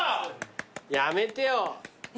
やめてよ。